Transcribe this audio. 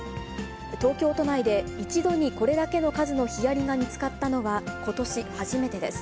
東京都内で一度にこれだけの数のヒアリが見つかったのは、ことし初めてです。